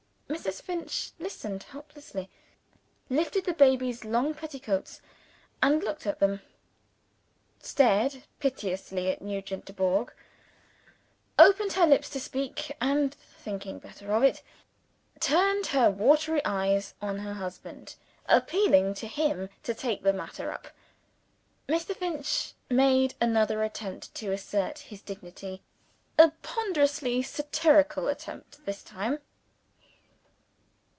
Mrs. Finch listened helplessly lifted the baby's long petticoats, and looked at them stared piteously at Nugent Dubourg opened her lips to speak and, thinking better of it, turned her watery eyes on her husband, appealing to him to take the matter up. Mr. Finch made another attempt to assert his dignity a ponderously satirical attempt, this time.